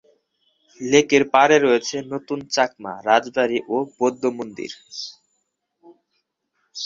লেকের পাড়ে রয়েছে নতুন চাকমা রাজবাড়ি ও বৌদ্ধ মন্দির।